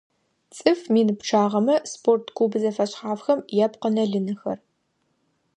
ЦӀыф мин пчъагъэмэ спорт клуб зэфэшъхьафхэм япкъынэ-лынэхэр.